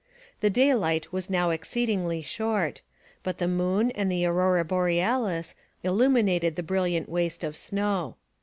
The daylight was now exceedingly short, but the moon and the aurora borealis illuminated the brilliant waste of snow.